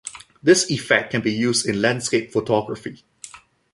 This effect can be used in landscape photography.